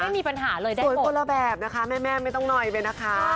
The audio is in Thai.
มีปัญหาเลยนะคะสวยคนละแบบนะคะแม่ไม่ต้องนอยไปนะคะ